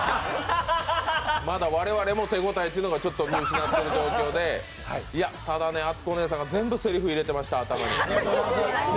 まだ我々も手応えというのがちょっと見失っている状況で、ただ、あつこおねえさんが全部せりふ入れてました、頭に。